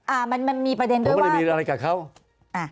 อ่ามันมันมีประเด็นตรงนี้มันมีอะไรกับเขาอ่า